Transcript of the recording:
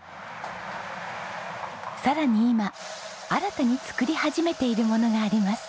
さらに今新たに作り始めているものがあります。